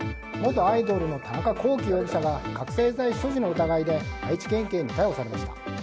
元アイドルの田中聖容疑者が覚醒剤所持の疑いで愛知県警に逮捕されました。